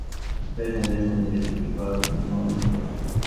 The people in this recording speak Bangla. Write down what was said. অভিযোগে বলা হচ্ছে, পিট নাকি প্রায়ই সন্তানদের সামনে জোলিকে গালমন্দ করতেন।